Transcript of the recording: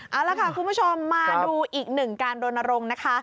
เอาละค่ะคุณผู้ชมมาดูอีกหนึ่งการรณรงค์นะคะ